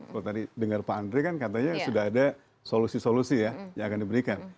kalau tadi dengar pak andre kan katanya sudah ada solusi solusi ya yang akan diberikan